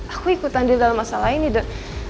aku ikut andi dalam masalah ini dan